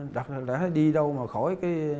đã đi đâu mà khỏi